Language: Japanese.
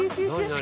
◆何？